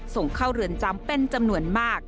ส่งเข้าเรือนจำเป็นจำนวนมาก